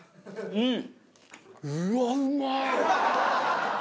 うん。